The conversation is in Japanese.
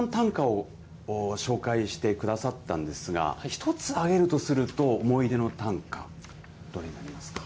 たくさん短歌を紹介してくださったんですが、１つ挙げるとすると、思い出の短歌、どれになりますか。